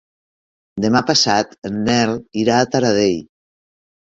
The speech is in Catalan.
Demà passat en Nel irà a Taradell.